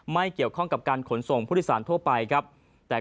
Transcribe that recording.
ไม่เกี่ยวข้องกับการขนส่งผู้ลิสารทั่วไป